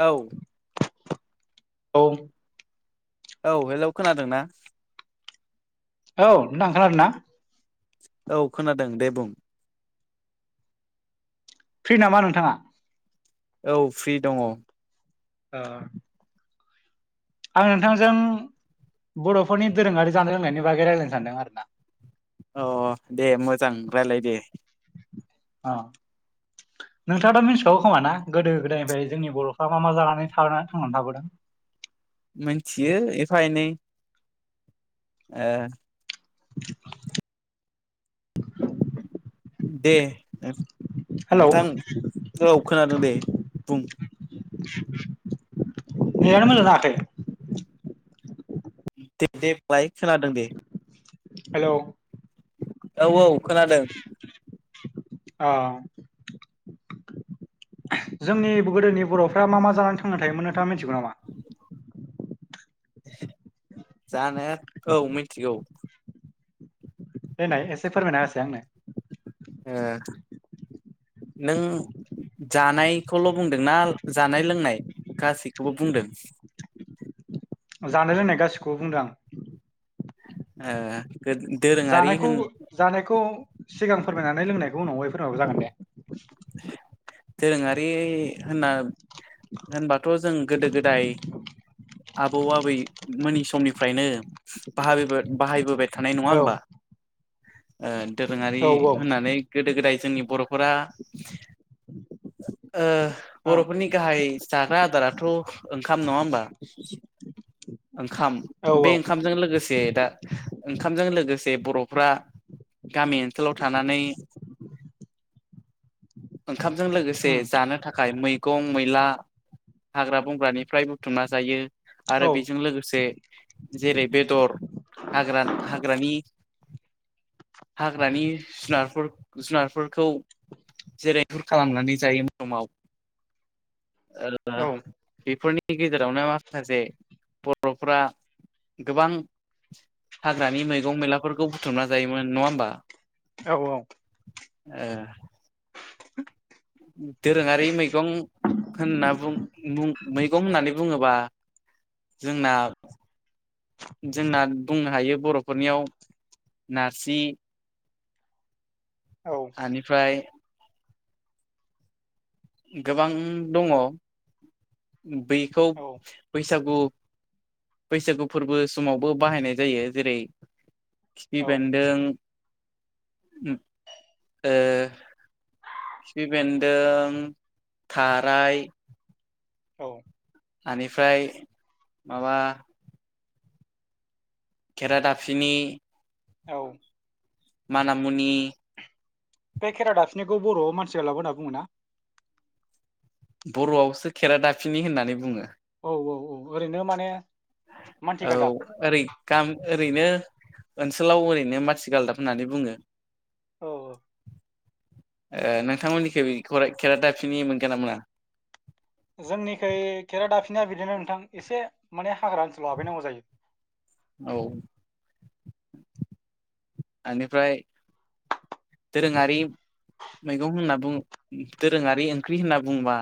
औ औ औ हेलौ खोनादों ना औ नोंथां खोनादोंना? औ खोनादों दे बुं। फ्रि नामा नोंथाङा? औ फ्रि दङ। ओ आं नोंथांजों बर'फोरनि दोरोङारि जानाय लोंनायनि बागै रायलायनो सानदों आरो ना। अ दे मोजां रायलाय दे। ओ नोंथाङा दा मिथिखागौ खोमाना गोदो गोदायनिफ्राय जोंनि बर'फ्रा मा मा जानानै थाना थांनानै थाबोदों? [inaudible] मोनथियो एफा एनै। ओ [inaudible] दे हेलौ नोंथां औ खोनादों दे बुं। नेदानो मोजां नाङाखै। लाय खोनादों दे। हेलौ औ औ खोनादों। अ जोंनि गोदोनि बर'फ्रा मा मा जानानै थांना थायोमोन नोंथाङा मिथिगौ नामा? जानो औ मिनथिगौ। देनाय एसे फोरमायना होसाय आंनो। ओ नों जानायखौल' बुंदोंना जानाय लोंनाय गासैखौबो बुंदों? [inaudible] जानो रोंनाय गासिखौबो बुंदों आं। ओ दोरोङारि जानायखौ होन जानायखौ सिगां फोरमायनानै लोंनायखौ उनावहाय फोरमायबाबो जागोन दे। [inaudible] दोरोङारि होनना होनबाथ' जों गोदो गोदाय आबौ आबै मोननि समनिफ्रायनो बाहाबोबा बाहायबोबाय थानाय नङा औ होमबा ओ दोरोङारि औ होननानै गोदो गोदाय जोंनि बर' फोरा ओ औ बर'फोरनि गाहाइ जाग्रा आदाराथ' ओंखाम नङा होमबा? ओंखाम औ बे औ ओंखामजों लोगोसे दा ओंखामजों लोगोसे बर'फ्रा गामि ओनसोलाव थानानै [inaudible] ओंखामजों लोगोसे उम जानो थाखाय मै गं मैला हाग्रा बंग्रानिफ्राय बुथुमना जायो आरो औ बेजों लोगोसे जेरै बेदर हाग्रा-हाग्रानि हाग्रानि जुनारफोर जुनारफोरखौ जेरै हुर खालामनानै जायोमोन नमाव। ओ औ बेफोरनि गेजेरावनो माखासे बर'फ्रा गोबां हाग्रानि मैगं मैलाफोरखौ बुथुमना जायोमोन नङा होमबा? औ औ‌। ओ दोरोङारि मैगं होनना बुं मुं मैगं होननानै बुङोबा जोंना जोंना बुंनो हायो बर'फोरनियाव नारजि। औ आनिफ्राय गोबां दङ बेखौ औ बैसागु बैसागु फोरबो समावबो बाहायनाय जायो जेरै खिफि औ बेन्दों ओ ए खिफि बेन्दों थाराय औ आनिफ्राय माबा खेरादाफिनि औ मानामुनि बे खेरा दाफिनिखौ बर'आव मानसि गालदाबबो होनना बुङोना? बर'आवसो खेरादाफिनि होननानै बुङो। औ-औ-औ ओरैनो माने मानथि औ गालदाब ओरै गा ओरैनो ओनसोलाव ओरैनो माथि गालदाब होननानै बुङो। औ ओ नोंथांमोननिखै खेरादाफिनि मोनगोनना मोना? जोंनिखै खेरा दाफिनिया बिदिनो नोंथां एसे माने हाग्रा ओनसोलाव हाबहैनांगौ जायो। औ आनिफ्राय दोरोङारि मैगं होनना बुं दोरोङारि ओंख्रि होनना बुंङोबा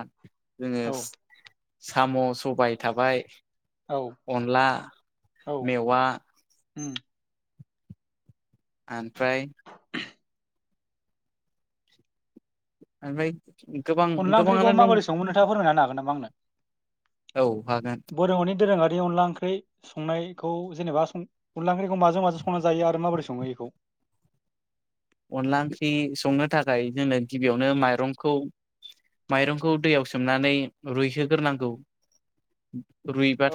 जोङो औ साम' सबाय थाबाय औ अनला मेवा ओम ओमफ्राय ओमफ्राय गोबां अनला गोबाङानो ओंख्रिखौ दं माबोरै सङो नोंथाङा फोरमायना होनो हागोन नामा आंनो? औ हागोन। बे अनला ओंख्रि संनायखौ जेनेबा सं अनला ओंख्रिखौ माजों माजों संना जायो आरो माबोरै सङो इखौ? [inaudible] अनला ओंख्रि संनो थाखाय जोनो गिबियावनो माइरंखौ माइरंखौ दैयाव सोमनानै रुइहोग्रोनांगौ।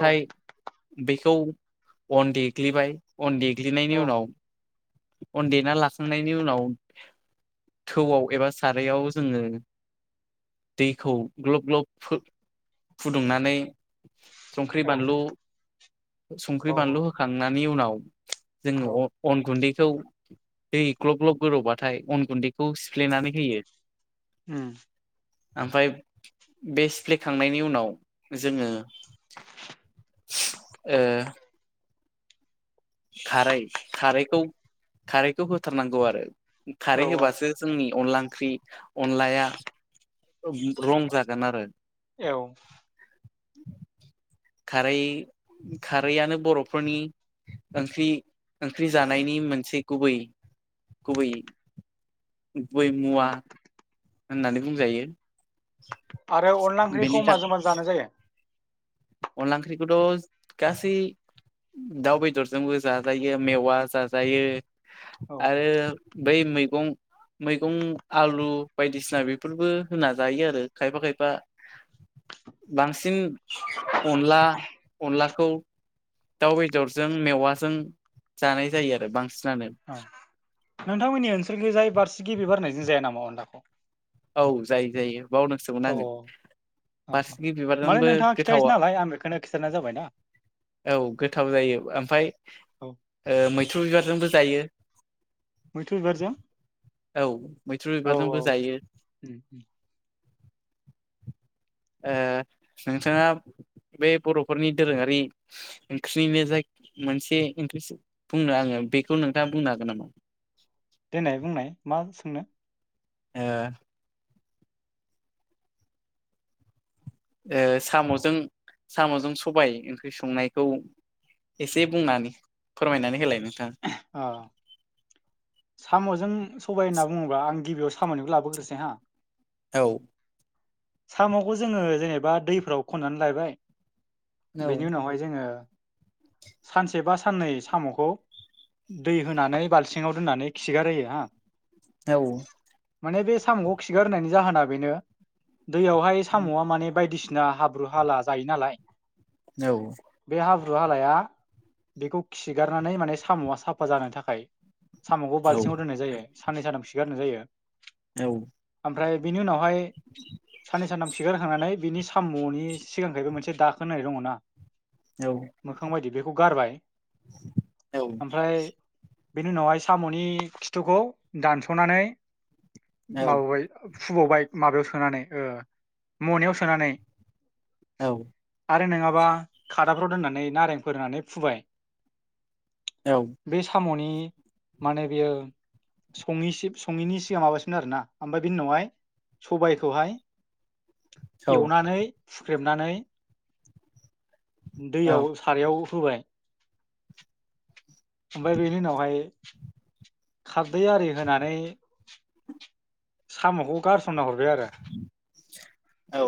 औ बेखौ अन देग्लिबाय अन देग्लिनायनि उनाव अन देना लाखांनायनि बेनि उनाव थौआव एबा सारायाव जोङो दैखौ ग्लब ग्लब फु फुदुंनानै संख्रि औ बानलु संख्रि औ बानलु होखांनायनि उनाव औ जोङो अन गुन्दैखौ दै ग्लब ग्लब गोदौबाथाय अन गुन्दैखौ सिफ्लेनानै होयो ओम ओमफ्राय बे सिफ्लेखांनायनि उनाव जोङो ओ खारै खारैखौ खारैखौ होथारनांगौ आरो औ खारै औ होबासो जोंनि अनला ओंख्रि अनलाया रं जागोन आरो औ खारै खारैआनो बर'फोरनि ओंख्रि ओंख्रि जानायनि मोनसे गुबै गुबै गुबै उम मुवा होननानै बुंजायो आरो अनला बेनि ओंख्रिखौ था माजों माजों जानाय जायो? अनला ओंख्रिखौथ' गासै दाउ बेदरजोंबो जाजायो मेवा जाजायो औ आरो। बै मैगं मैगं आलु बायदिसिना बेफोरबो होना जायो आरो खायफा खायफा। बांसिन अनला अनलाखौ। दाउ बेदरजों मेवाजों जानाय जायो आरो बांसिनानो। औ नोंथांमोननि ओनसोलखौजाय बारसिगि बिबार होननायजों जाया नामा अनलाखौ? औ जायो जायो। बावदोंसोमोन औ आङो औ औ बासिखि माने बिबारजोंबो नोंथाङा खिथायासै गोथावा नालाय आं बेखौनो खिथानाय जाबायना औ गोथाव जायो ओमफ्राय औ ओ-मैथ्रु बिबारजोंबो जायो। मैथुर बिबारजों औ मैथ्रु औ बिबारजोंबो औ। जायो ए नोंसा? बे बर'फोरनि दोरोङारि ओंख्रिनिनो जाय मोनसे ओंख्रि बुंनो आङो। बेखौ नोंथाङा बुंनो हागोन नामा? देनाय बुंनाय मा सोंनो? ए ए साम'जों साम'जों सबाय ओंख्रि संनायखौ। एसे बुंनानै फोरमायनानै होलायनो। अ साम'जों सबाय होनना बुङोबा आं गिबियाव। खामानिबो लाबोग्रोसै हा। औ साम'खौ जोङो जेनेबा दैफोराव खन्नानै लायबाय औ बेनि उनावहाय जोङो। सानसे बा साननै साम'खौ। दै होनानै बालथिंआव दोननानै खिगारहोयो हा। माने बे साम'खौ खिगार होनायनि जाहोना बेनो दैयावहाय साम'आ माने बायदिसि बिसिना हाब्रु हाला जायो नालाय। औ बे हाब्रु हालाया बेखौ खिगारनानै माने साम'आ साफा जानो थाखाय। साम'खौ बाल्थिङाव दोननाय जायो साननै सानाम सिगारहोनाय जायो। औ ओमफ्राय बिनि उनावहाय साननै सानथाम खिगारहोखांनानै बिनि। साम'नि सिगांफ्रायबो मोनसे दाखोन। औ ओमफ्राय बेनि उनावहाय साम'नि खिथुखौ दानस'नानै औ-औ-औ-औ-औ-औ-औ-औ-औ माबाबाय। फुबावबाय माबायाव सोनानै ओ-मनायाव सोनानै। आरो नङाबा खादाफ्राव दोननानै नारें। फोराननानै फुबाय बे साम'नि। माने बेयो सङैनि सि-सिगां माबासिनो आरोना ओमफ्राय बेनि उनावहाय। सबायखौहाय एवनानै फुख्रेबनानै दैयाव। खारायाव होबाय। ओमफ्राय बेनि उनावहाय खारदै आरि होनानै। साम'खौ गारसनना हरबाय आरो। औ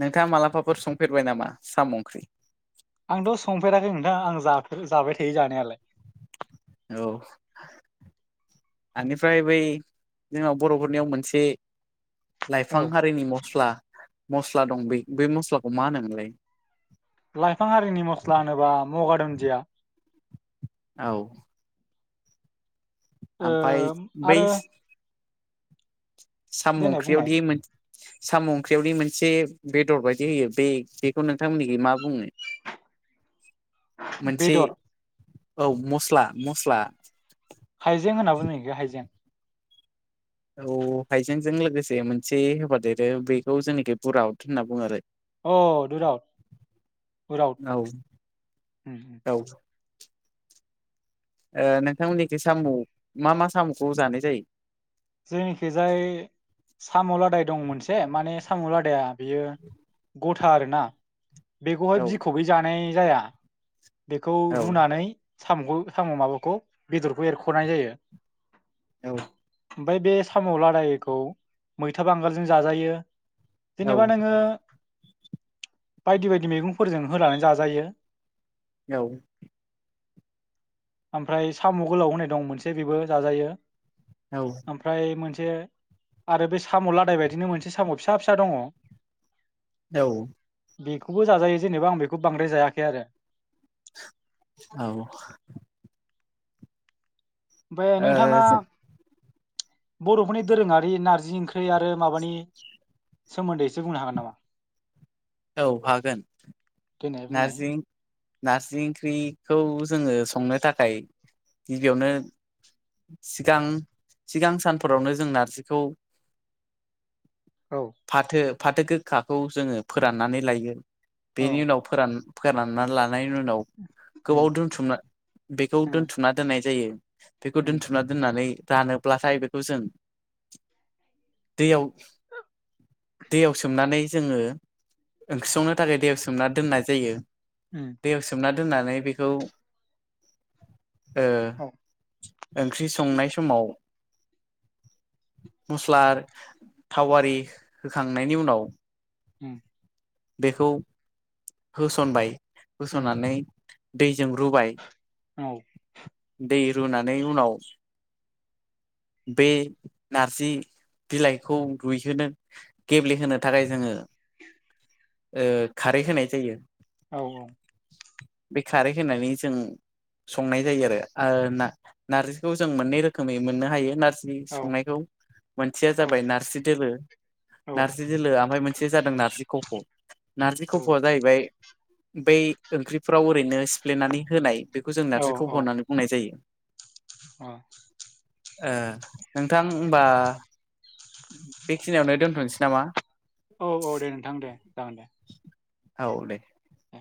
नोंथाङा मालाबाफोर संफेरबाय नामा साम' ओंख्रि? आंथ' संफेराखै नोंथां आं जाफेर-जाबाय थायो जानायालाय। औ बेनिफ्राय बै जोंहा बर'फोरनियाव मोनसे। लाइफां औ हारिनि मस्ला मस्ला दं बे बै मस्लाखौ मा होनोमोनलाय? लाइफां आरिनि मस्ला होनोब्ला मगा दुन्दिया। औ ओ ओमफ्राय बै आरो साम' देनाय बुंनाय ओंख्रियावदि मोन साम' ओंख्रियावनि मोनसे बेदर बायदि होयो बे बेखौ नोंथांमोननिखै मा बुङो? मोनसे बेदर। औ मस्ला मस्ला हाइजें होनना बुङो इखो हाइजें औ हाइजेंजों लोगोसे मोनसे होफाादेरो बेखौ जोंनिखै बुराउड होनना बुङो आरो अ दरावद उरावद औ नोंथांमोननिखै साम' मा मा साम'खौ जानाय जायो? जोंनिखैजाय साम' लादाय दं मोनसे माने साम' लादाया बेयो गथा आरोना बेखौहाय औ बिखौै जानाय जाया। बेखौ औ रुनानै साम'खौ साम' माबाखौ बेदरखौ एरख'नाय जायो। औ ओमफ्राय बे साम' लादायखौ मैथा बांगालजों जाजायो औ जेनेबा नोङो बायदि बायदि मैगंफोरजों होनानै जाजायो। औ ओमफ्राय साम' गोलाव होनाय दं मोनसे बेबो जाजायो। औ ओमफ्राय मोनसे [inaudible] आरो बे साम' लादाय बायदिनो मोनसे साम' फिसा फिसा दङ औ बेखौबो जाजायो जेनेबा आं बेखौ बांद्राय जायाखै आरो। औ बे नोंथाङा बर'फोरनि दोरोङारि नारजि ओंख्रि थै आरो माबानि सोमोन्दैसो बुंनो हागोन नामा औ हागोन देनाय बुंनाय नार्जिं नारजि ओंख्रिखौ जोङो संनो थाखाय गिबियावनो सिगां सिगां सानफोरावनो जों नारजिखौ औ फाथो फाथो गोखाखौ जोङो फोराननानै लायो औ बेनि उनाव फोरान फोरानना लानायनि उनाव उम गोबाव दोनथुमना बेखौ उम दोनथुमना दोननाय जायो। बेखौ उम दोनथुमना दोननानै रानोब्लाथाय बेखौ जों दैयाव दैयाव सोमनानै जोङो ओंख्रि संनो थाखाय दैयाव सोमना दोननाय जायो। उम दैयाव सोमना दोननानै बेखौ ओ औ ओंख्रि संनाय समाव मस्ला थावारि होखांनायनि उनाव हम बेखौ होसनबाय उम होसननानै दै जों रुबाय औ दै रुनानै उनाव बे नारजि बिलाइखौ रुइहोनो गेब्लेहोनो थाखाय जोङो [unintelligible] ओ खारै होनाय जायो। औ औ बे खारै होनानै जों संनाय जायो आरो ना-नारजिखौ जों मोननै रोखोमै मोननो हायो नारजि औ संनायखौ मोनसेया जाबाय नारजि दोलो औ नारजि दोलो हमबाय मो मोनसे जादों नारजि खफ' नारजि औ खफ'आ जाहैबाय बै ओंख्रिफ्राव ओरैनो सिफ्लेनानै होनाय बेखौ जों औ नार्जि खफ' औ होननानै बुंनाय जायो। अ ओ नोंथां होनबा बेखिनियावनो दोनथ'नोसै नामा? औ-औ दे नोंथां दे जागोन दे औ दे दे